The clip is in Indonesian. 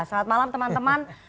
selamat malam teman teman